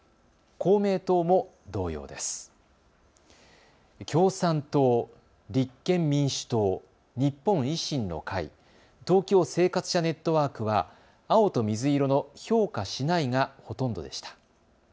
共産党、立憲民主党、日本維新の会、東京・生活者ネットワークは青と水色の評価しないがほとんどでした。